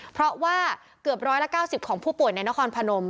เพราะว่าเกือบ๑๙๐ของผู้ป่วยในนครพนม